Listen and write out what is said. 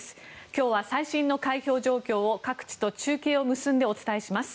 今日は最新の開票状況を各地と中継を結んでお伝えします。